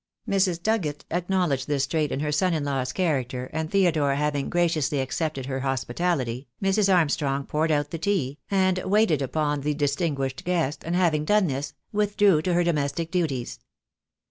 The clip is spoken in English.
Mrs. Dugget acknowledged this trait in her son in law's character, and Theodore having graciously accepted her hospitality, Mrs. Armstrong poured out the tea, and waited upon the distinguished guest, and having done this, withdrew to her domestic duties.